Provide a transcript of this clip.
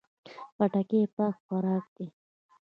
خټکی پاک خوراک دی.